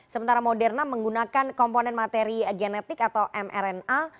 sementara moderna menggunakan komponen materi genetik atau mrna